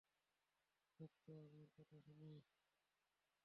সত্যা, আমার কথা শুনো!